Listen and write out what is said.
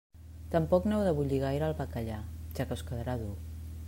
Tampoc no heu de bullir gaire el bacallà, ja que us quedarà dur.